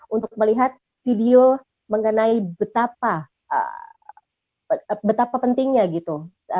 untuk melihat video mengenai betapa pentingnya gitu